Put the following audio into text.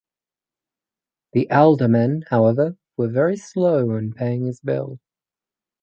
The Aldermen however were very slow in paying his bill.